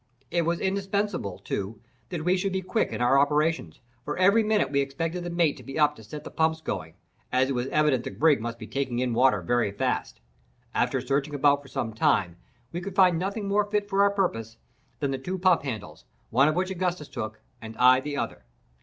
It was indispensable, too, that we should be quick in our operations, for every minute we expected the mate to be up to set the pumps going, as it was evident the brig must be taking in water very fast. After searching about for some time, we could find nothing more fit for our purpose than the two pump handles, one of which Augustus took, and I the other.